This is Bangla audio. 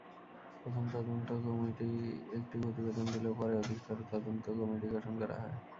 প্রথম তদন্ত কমিটি একটি প্রতিবেদন দিলেও পরে অধিকতর তদন্ত কমিটি গঠন করা হয়।